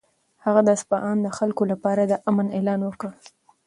هغه د اصفهان د خلکو لپاره د امن اعلان وکړ.